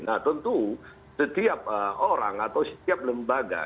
nah tentu setiap orang atau setiap lembaga